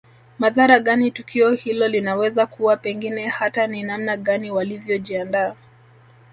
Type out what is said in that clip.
Madhara gani tukio hilo linaweza kuwa pengine hata ni namna gani walivyojiandaa